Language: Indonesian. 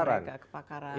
ya ilmiah mereka kepakaran